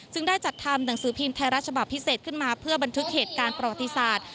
ซึ่งได้จัดทำหนังสือพิมพ์ไทยรัฐฉบับพิเศษขึ้นมาเพื่อบันทึกเหตุการณ์ประวัติศาสตร์